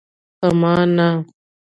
په ما نه.